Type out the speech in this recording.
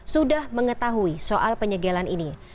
sudah mengetahui soal penyegelan ini